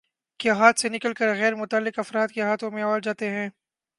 کے ہاتھ سے نکل کر غیر متعلق افراد کے ہاتھوں میں آجاتے ہیں